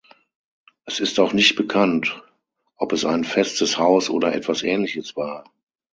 Es ist auch nicht bekannt, ob es ein Festes Haus oder etwas Ähnliches war.